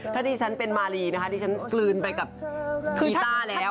ถ้าดิฉันเป็นมารีนะคะดิฉันกลืนไปกับกีต้าแล้ว